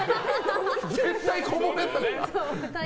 絶対こぼれるからね。